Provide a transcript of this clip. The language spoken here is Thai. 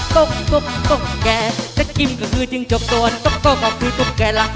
ตกตกตกแกจะกิ้มก็คือจงจบตัวตกตกออกคือตกแกละ